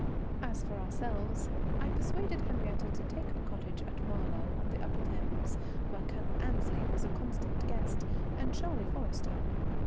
As for ourselves, I persuaded Henriette to take a cottage at Marlow on the Upper Thames, where Colonel Annesley was a constant guest, and Charlie Forrester.